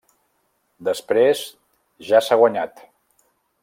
Després, ja s'ha guanyat.